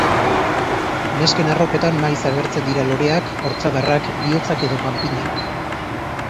Nesken arropetan maiz agertzen dira loreak, ortzadarrak, bihotzak edo panpinak.